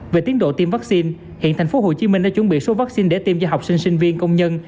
về tiến độ tiêm vaccine hiện thành phố hồ chí minh đã chuẩn bị số vaccine để tiêm cho học sinh sinh viên công nhân